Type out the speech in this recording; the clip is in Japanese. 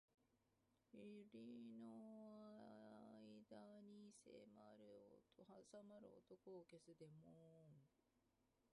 百合の間に挟まる男を消すデーモン